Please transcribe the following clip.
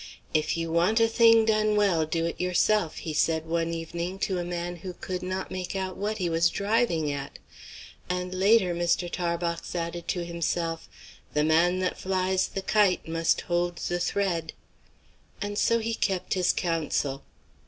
"If you want a thing done well, do it yourself," he said one evening to a man who could not make out what he was driving at; and later Mr. Tarbox added to himself, "The man that flies the kite must hold the thread." And so he kept his counsel.